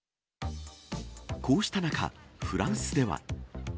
こうした中、フランスでは。